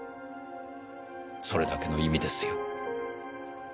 それだけの意味ですよ。